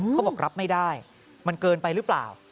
เขาบอกรับไม่ได้มันเกินไปหรือเปล่า